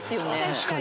確かに。